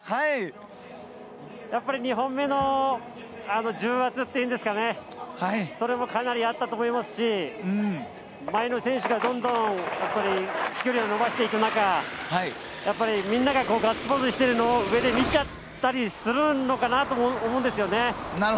やっぱり２本目の重圧というんですかそれもかなりあったと思いますし前の選手がどんどん飛距離を伸ばしていく中みんながガッツポーズをしているのを上で見ちゃったりするのかなとも思うんです。